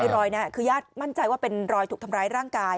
รอยนี้คือญาติมั่นใจว่าเป็นรอยถูกทำร้ายร่างกาย